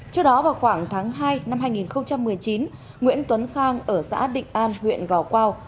trước đó vào khoảng tháng hai năm hai nghìn một mươi chín nguyễn tuấn khang ở xã định an huyện gò quao